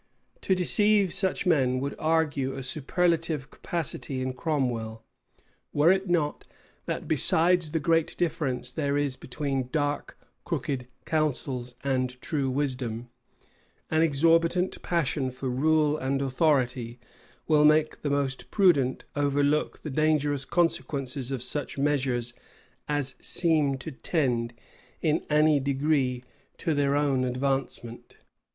To deceive such men, would argue a superlative capacity in Cromwell; were it not that besides the great difference there is between dark, crooked counsels and true wisdom, an exorbitant passion for rule and authority will make the most prudent overlook the dangerous consequences of such measures as seem to tend, in any degree, to their own advancement.